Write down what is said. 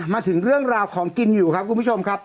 มาถึงเรื่องราวของกินอยู่ครับคุณผู้ชมครับ